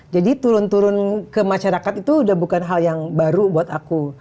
jadi turun turun ke masyarakat itu udah bukan hal yang baru buat aku